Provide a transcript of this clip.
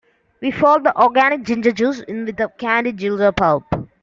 We fold the organic ginger juice in with the candied ginger pulp.